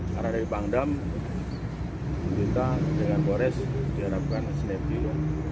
karena dari pangdam kita dengan kores diharapkan senepil